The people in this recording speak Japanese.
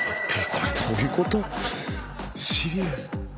これどういうこと⁉シリアス。